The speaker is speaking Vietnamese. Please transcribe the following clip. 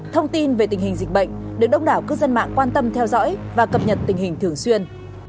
thông tin về tình hình dịch bệnh được đông đảo cư dân mạng quan tâm theo dõi và cập nhật tình hình thường xuyên